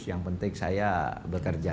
yang penting saya bekerja